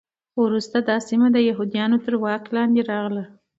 وروسته دا سیمه د یهودانو تر واک لاندې راغله.